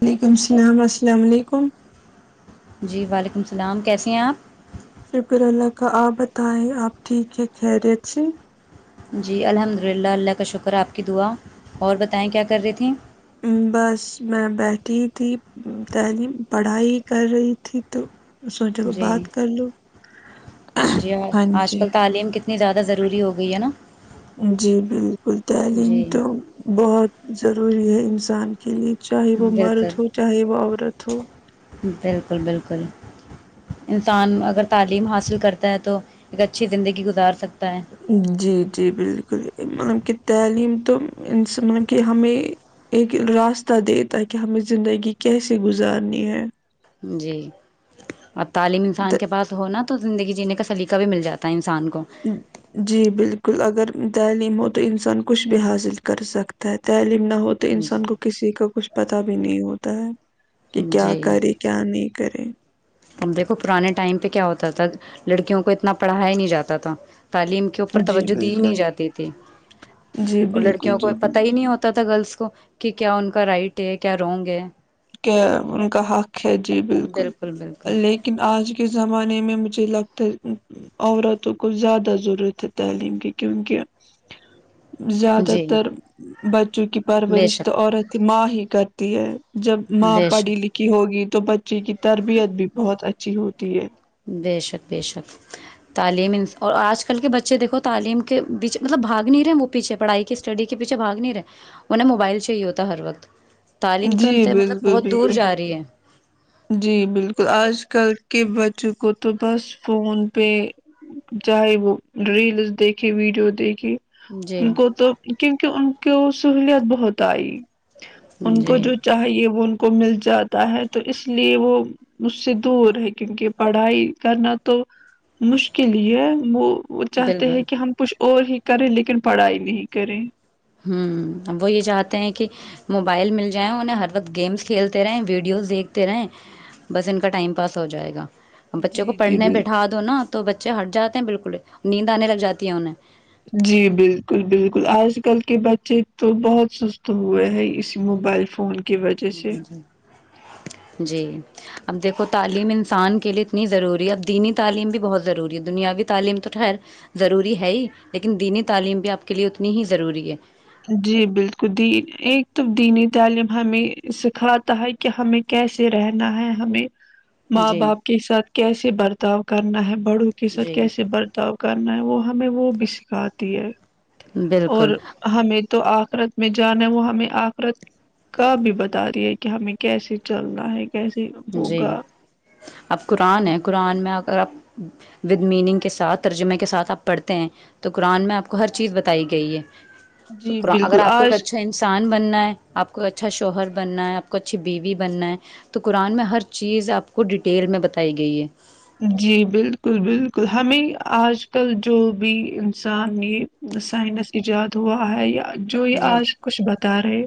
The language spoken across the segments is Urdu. وعلیکم السلام السلام علیکم جی وعلیکم السلام کیسے ہیں آپ شکر اللہ کا آپ بتائیں آپ ٹھیک ہے خریت سے جی الحمد للہ اللہ کا شکر آپ کی دعا اور بتائیں کیا کر رہی تھیں بس میں بیٹھی تھی تعلیم پڑھائی کر رہی تھی تو سوچو گ جی بات کر لو ہاں جی اتنی زیادہ ضوری ہو گئی ہے نا جی بالکل تعلیم جی تو بہت ضروری ہے انسان کے لیے چاہے وہ مرد ہو بالکل چاہے وہ عورت ہو بالکل بالکل انسان اگر تعلیم حاصل کرتا ہے تو ایک اچھی زندگی گزار سکتا جی جی بالکل مطلب کہ تعلیم تو ان مطب کہ ہمیں ایک راستہ دے تاکہ ہمیں زندگی کیسے گزارنی ہے جی اب تعلیم انسان کے پاس ہونا زندگی جینے کا سلیقہ بھی مل جاتا ہے انسان کو جی بالکل اگرال ہو تو انسان کچھ بھی حاصل کر سکتا ہے تعلیم نہ ہو تو جی انسان کو کسی کا کچھ پتا بھی نہیں ہوتا تو کہ کیا جی کرے کیا نہیں کریں دیکھو پرانے ٹائم پہ کیا ہوتا تھا لڑکیوں کو اتنا پڑھا ہی نہیں جاتا تھا تعلیم کے اوپر جی توجہ دی ہی بالکل نہیں جاتی تھی جی اور بالکل لڑکیوں کو جی پتا بالکل ہی نہیں ہوتا تھا گرلس کو کہ کیا ان کا رائٹ ہے کیا رانگ ہے کہ ان کا حق ہے جی بالکل لیکن آج کے زمانے میں مجھے لگتا ہے عورتوں کو زیادہ ضرورت ہے تعلیم کی کیونکہ زیادہ جی تر [inaudible] چونکہ بے پرورش تو شک عورت ماں ہی کرتی ہے جب ماں بے پڑھی شک لکھی ہوگی تو بچے کی تربیت بھی بہت اچھی ہوتی ہے بے شک بے شک تعلیم اور آج کل کے بچے دیکھو تعلیم کے پیچھے مطلب بھاگ نہیں رہے وہ پیچھے پڑھائی کی اسٹڈی کے پیچھے بھاگ نہیں رہے انہیں موبائل چاہیے ہوتا ہر وقت تعلیم تو ان جی سے مطلب بالکل بہت دور بالکل جا رہی ہے جی بالکل آج کل کے بچوں کو تو بس فون پہ چاہے وہ ریلس دیکھے ویڈیو دیکھے جی ان کو تو کیونکہ ان کی سہلیت بہت آئی ان کو جی جو چاہیے وہ ان کو مل جاتا ہے تو اس لیے وہ مجھ سے دور ہے کیونکہ پڑھائی کرنا تو مشکل ہی ہے وہ وہ چاہتے ہیں بالکل کہ ہم پش اور ہی کرے لیکن پڑھائی نہیں کرے ہوں ا وہ یہ چاہتے ہیں کہ موبائل مل جائیں انہیں ہر وقت گیمس کھیلتے رہےیں ویڈیوز دیکھتے رہیں بس ان کا ٹائم پاس ہو جائے گا بچوں کو جی جی پڑھنے بالکل بیٹھا دو نا تو بچے ہٹ جاتے ہیں بالکل نیند آنے لگ جاتی ہے انہیں جی بالکل بالکل آج کل کے بچے تو بہت سست ہوئے ہیں اسی موبائل فون کی وجہ سے جی جی اب دیکھو تعلیم انسان کے لیے اتنی ضروری ہے اب دینی تعلیم بھی بہت ضروری ہے دنیاوی تعلیم تو یر ضروری ہے ہی لیکن دینی تعلیم بھی آپ کے لیے اتنی ہی ضروری ہے جی بالکل دین ایک تو دینی تعلیم ہمیں سکھاتا ہے کہ ہمیں کیسے رہنا ہے ہمیں ماں جی باپ کے ساتھ کیسے برتاؤ کرنا ہے بڑوں کے ساتھ جی کیسے برتاؤ کرنا ہے وہ ہمیں وہ بھی سکھاتی ہے اور بالکل ہمیں تو آخرت میں جانا ہے وہ ہمیں آخرت کا بھی بتا دیا ہے کہ ہمیں کیسے چلنا ہے کیسے جی ہوگا اب قرآن ہے قرآن میں اگر آپ ودھ میننگ کے ساتھ ترجمے کے ساتھ آپ پڑھتے ہیں تو قرآن میں آپ کو ہر چیز بتائی گئی ہے جی شکرا اگر بالکل آپ کو ایک آج اچھا انسان بھی بننا ہے آپ کو اچھا شوہر بننا ہے آ کو اچھی بیوی بننا ہے تو قرآن میں ہر چیز آپ کو ڈیٹیل میں بتائی گئی ہے جی بالکل بالکل ہمیں آج کل جو بھی انسان یہ سائنس ایجاد ہوا ہے یا جو یہ جی آج کچھ بتا رہے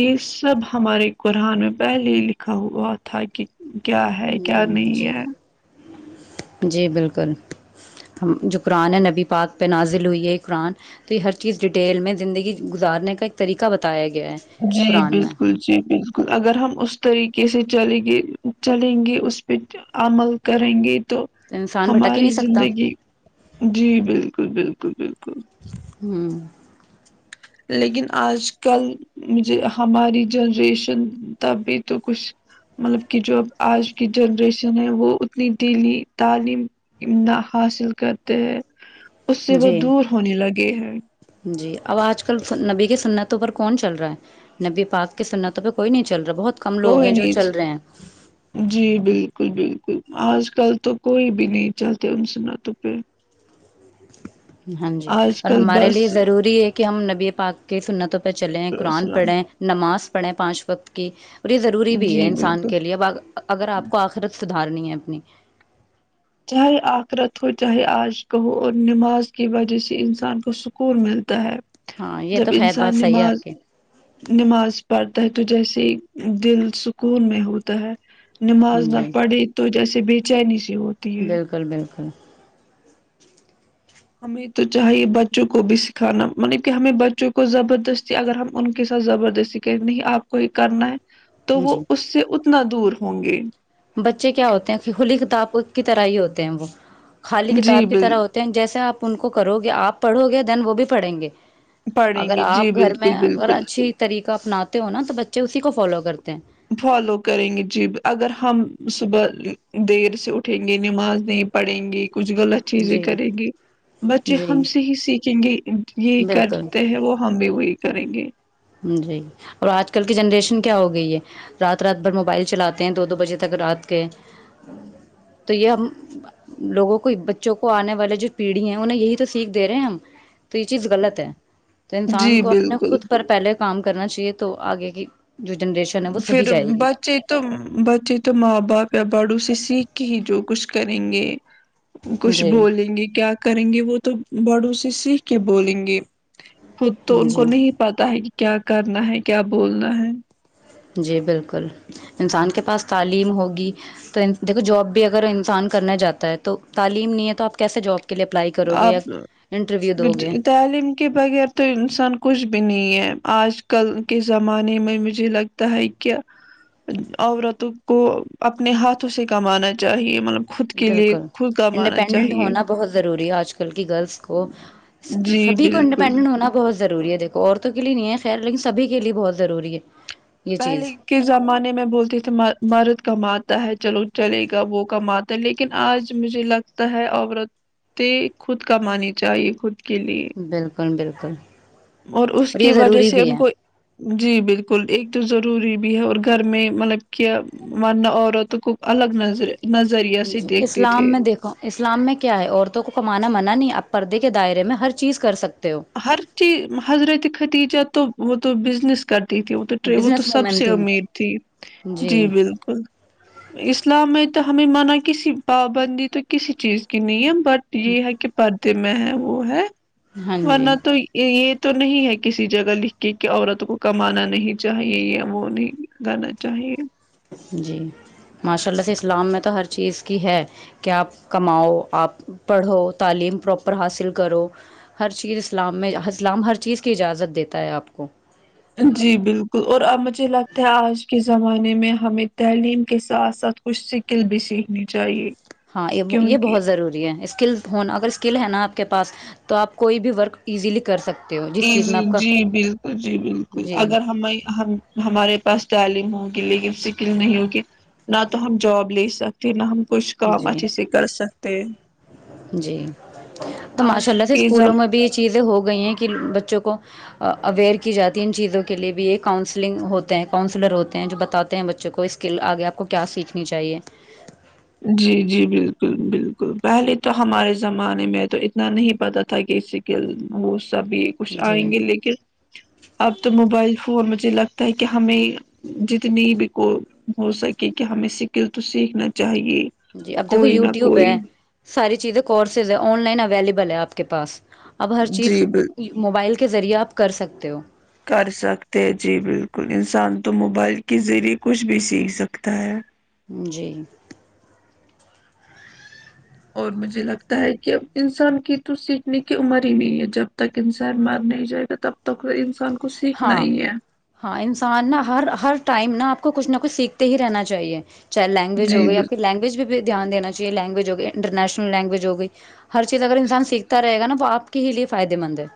یہ سب ہمارے قرآن میں پہلے ہی لکھا ہوا تھا کہ کیا ہے ہ کیا نہیں جی ہے جی بالکل جو قرآن ہے نبی پات پہ نازل ہوئی ہے قرآن تو یہ ہر چیز ڈیٹیل میں زندگی گزارنے کا ایک طریقہ بتایا گیا ہے جی قرآن میں بالکل جی بالکل اگر ہم اس طریقے سے چلے گی چلیں گے اس پہ عمل کریں گے تو انسان بھٹک ہی ہماری نہیں سکتا زندگی جی بالکل بالکل بالکل بالکل ہوں لیکن آج کل مھے ہماری جنریشن تب بھی تو کچھ مطلب کہ جو آج کی جنریشن ہے وہ اتنی دلی تعلیم نہ حاصل کرتے ہیں اس سے وہ جی دور ہونے لگے ہے جی اب آج کل نبی کی سنتوں پر کون چل رہا ہے نبی پاک کی سنتوں پہ کوئی نہیں چل رہا بہت کم لوگ کوئی ہیں جو نہیںچ چل رہے ہیں جی بالکل بالکل آج کل تو کوئی بھی نہیں چلتا ان سے ن تو پ ہاں جی اور کل ہمارے بس لیے ضروری ہے کہ ہم نبی پا کے سننا تو چلے قرآن السلام پڑھیں نماز پڑھیں پانچ وقت کی اور یہ ضروری بھی ہے جی انسان کے بالکل لیے اب اگر آپ کو آخرتد ادھارنی ہے اپنی چاہے آخرت ہو چاہے آج کا ہو اور نماز کی وجہ سے انسان کو سکون ملتا ہے ہاں یہ جب تو خیر بات انسان صحیح ہے آپ نماز کی نماز پڑھتا ہے تو جیسے دل سکون میں ہوتا ہے نماز نہ جی پڑ تو جیسے بھی چائنیزی ہو بالکل بالکل ہمیں تو چاہیے بچوں کو بھی سکھانا مطلب کہ ہمیں بچوں کو زبردستی اگر ہم ان کے ساتھ زبردستی کہیں نہیں آپ کو یہ کرنا ہے تو وہ جی اس سے اتنا دور ہوں گے بچے کیا ہوتے ہیں کہ کھلی کتاب کی طرح ہی ہوتے ہیں وہ خالی جی کتاب کی بل طرح ہوتے ہیں جیسے آپ ان کو کرو گے آپ پڑھو گے دین وہ بھی پڑھیں گے پڑھیں اگر گے جی آپ گھر میں بالکل اگر بالکل اچھی طریقہ اپناتے ہو نا تو بچے اسی کو فالو کر کرتے ہیں فالو کریں گے جی اگر ہم صبح دیر سے اٹھیں گے نماز نہیں پڑھیں گے کچھ غلط چیزیں جی کرے گی بچے ہم جی سے ہی سیکھ چنگے یہ بالکل کرتے ہیں وہ ہم بھی وہی کریں گے جی اور آج کل کی جنریشن کیا ہو گئی ہے رات رات بھر موبائل چلاتے ہیں دو دو بجے تک رات کے تو یہ ہم لوگوں کو بچوں کو آنے والے جو پیڑھی ہیں انہیں یہی تو سیکھ دے رہے ہیں ہم تو یہ چیز غلط ہے تو انسان جی کو اپنے بالکل خود کام کرنا چاہیے تو آگے کی جو جنریشن ہے وہ صحیح پھر جائے گی بچے تو بچے تو ماں باپ یا بڑو کسی کی جو کچھ کریں گے کچھ جی بولیں گے کیا کریں گے وہ تو بڑو سے سیکھ کے بولیں گے خود تو ان کو جی نہیں پتا ہے کیا کرنا ہے کیا بولنا ہے جی بالکل انسان کے پاس تعلیم ہوگی تو دیکھو جاب بھی اگر انسان کرنا جاتا ہے تو تعلیم نہیں ہے تو آپ کیسے جاب کے لیے اپلائی کرو گے یا اپ انٹرویو دو گے تعلیم کے بغیر تو انسان کچھ بھی نہیں ہے آج کل کے زمانے میں مجھے لگتا ہے کہ عورتوں کو اپنے ہاتھوں سے کمانا چاہیے مطلب خود کے لیے بالکل خود کا ماننا انڈیپینڈنٹ چاہیے ہونا بہت ضروری ہے آج گرلس کو جی سبھی کو بالکل انڈیپینڈنٹ ہونا بہت ضروری ہے دیکو عورتوں کے لیے نہیں ہے خیر لیکن سب کے لیے بہت ضروری ہے یہ پہلے چیز کے زمانے میں بولتے تھے مرد کماتا ہے چلو چلے گا وہ کماتا لیکن آج مجھے لگتا ہے عورتیں خود کا مانی چاہیے خود کے لیے بالکل بالکل اور اس یہ کی وجہ ضروری سے بھی ان ہے کو جی بالکل ایک تو ضروری بھی ہے اور گھر میں مطلب کہہ ونہ عورت ت گوب الگ نظر نظریہ سے جی دیکھتے تھے اسلام میں دیکھو اسلام میں کیا ہے عورتوں کو کمانا منع نہیں ا پردے کے دائرے میں ہر چیز کر سکتے ہو ہر چیز حضرت ختییجہ تو وہ تو بزنس کر تھی وہ تو وہ تو بزنس سب وومین سے تھیں امیر تھی جی بالکل اسلام میں تو ہمیں مان کسی پابندی تو کسی چیز کی نہیں ہے بٹ یہ ہے کہ پر ت میں وہ ہے ہاں ورنہ جی تو یہ یہ تو نہیں ہے کسی جگہ لکھ کے کہ عورت کو کمانا نہیں چاہیے یا وہ نہیں گانا چاہیے جی ماشاء اللہ سے اسلام میں تو ہر چیز کی ہے کہ آپ کماؤ آپ پڑھو تعلیم پراپر حاصل کرو ہر چیز اسلام میں ہ اسلام ہر چیز کی اجازت دیتا ہے آپ کو جی بالکل اور ا مجھے لگتا ہے آج کے زمانے میں ہمیں تعلیم کے ساتھ ساتھ کچھ سکل بھی سیکھنی چاہیے ہاں یہ یہ کیونکہ بہت ضروری ہے اس اسکل ہونا اگر اسکل ہے نا آپ کے پاس تو آپ کوئی بھی ورک ایزیلی کر سکتے ہو جس ای چیز میں جی آپ کا جی بالکل جی بالکل جی اگر ہم ہم ہمارے پاس تعلیم ہوی لیکن سکل نہیں ہوگی نہ تو ہم جاب لے سکتے نہ ہم کچھ کام جی اچھے سے کر سک [inaudible] جی تو آج ماشاء اللہ سے کے اسکولوں زم میں بھی یہ چیزیں ہوگی گئی کہ بچوں کو اویئر کی جاتی ان چیزوں کے لیے بھی یہ کاؤنسلنگ ہوتے ہیں کاؤنسلر ہوتے ہیں جو بتاتے ہیں بچوں کو اسکل آگے آپ کو کیا سیکھنی چاہیے جی جی بالکل بالکل پہلے تو ہمارے زمانے میں تو اتنا نہیں پتہ تھا کہ اس سے ہو سبھی کچھ جی آئیں گے لیکن اب تو موبائل فون م لگ تاکہ ہمیں جتنی بھی کو ہو سکے کہ ہمیں سکل تو سیکھنا [inaudible] جی اب دیکھو کوئی نہ وٹیوب کوئی ہے ساری چیز کورسز ہے آن لائن ا اویلیبل ہے آپ کے پاس اب ہر چیز جی بال موبائل کے ذریعہ کر سکتے ہو کر سکتے ہیں جی بالکل انسان تو موبائل کے ذریعے کچھ بھی سیکھ سکتا ہے جی اور مجھے لگتا ہے کہ انسان کی تو سیکھنے کی عمر ہی نہیں ہے جب تک انسان مار نہیں جائے گا تب تک انسان کو سیکھنا ہاں ہی ہے ہاں انسان نہا ہر ہر ٹائم نہا اپ کو کچھ نہ کچھ سیکھتے ہی رہنا چاہیے چاہ لینگویج ہو جی گئی بالکل آ کی لینگویج بھی دھیانین چاہے لینگویج انٹرنیشنل لینگویج ہوگئی ہر چیز اگر انسان سیکھتا رہے گا نا وہ آ کے ہی لیے فائدے مند ہے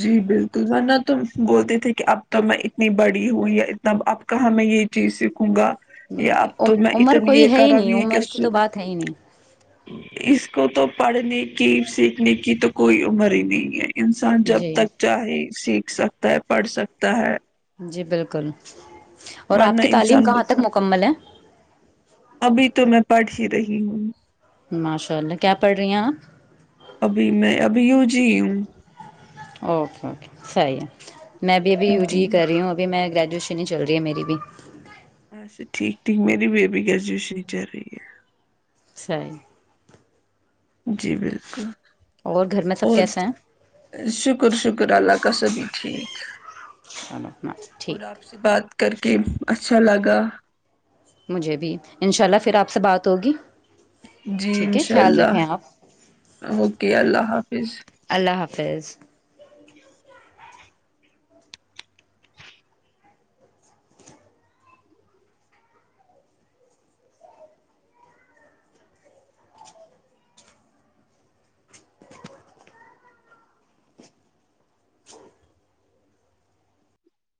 جی بالکل ورنہ تم بولتے تھے کہ اب تو میں اتنی بڑی ہوں یا اتنا اب کہاں میں یہ چیز سیکھوں گا یہ اب تو میں عمر اتنی کوئی ہے ایک اور ہی نہیں ابھی عمر کی تو بات ہے ہی نہیں اس کو تو پڑھنے کی سیکھنے کی تو کوئی عمر ہی نہیں ہے انسان جب جی تک جائے لکھ سکتا ہے پڑھ سکتا ہے جی بالکل اور آپ ورنہ کی تعلیم انسان کہاں تک مکمل ہے جی ماشاء اللہ کیا پڑ رہیا ابھی میں ابھی یوں جی ہوں صیح ہے میں اب اھی جی یوی کر رہی ہوں ابھی میں گریجو ش نہیں چل رہی ہے میری بھی اسے ٹھیک ٹھیک میری بیبی گریجویشن ہی چل رہی ہے چھ جی بالکل اور گھر میں سب اور کیسے ہیں شکر شکر اللہ کا سبھی ٹھیک چلو اور ٹھیک آپ سے بات کر کے اچھا لگا مجھے بھی انشاء اللہ پھر آپ سے بات ہوگی جی ٹھیک ہے انشاء خیال اللہ رکھیں آپ اوکے اللہ حافظ فیض